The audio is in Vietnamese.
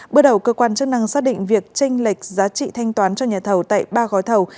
bước đầu cơ quan chức năng xác định việc tranh lệch giá trị thanh toán cho nhà thầu tại ba gói thầu